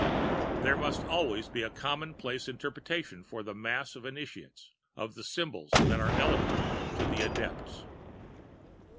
There must always be a common place interpretation for the mass of Initiates, of the symbols that are eloquent to the Adepts.